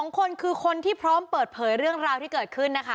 ๒คนคือคนที่พร้อมเปิดเผยเรื่องราวที่เกิดขึ้นนะคะ